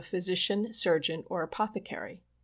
67 ^ physician, surgeon or apothecary.